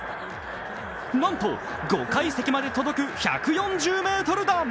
なんと５階席まで届く１４０メートル弾。